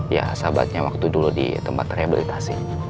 ya sahabatnya waktu dulu di tempat rehabilitasi